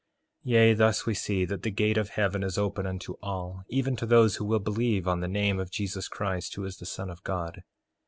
3:28 Yea, thus we see that the gate of heaven is open unto all, even to those who will believe on the name of Jesus Christ, who is the Son of God.